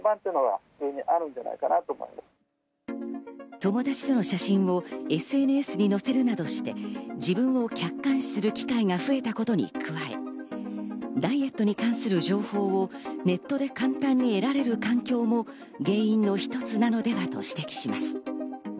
友達との写真をＳＮＳに載せるなどして自分を客観視する機会が増えたことに加え、ダイエットに関する情報をネットで簡単に得られる環境も原因の一つなのではと指摘します。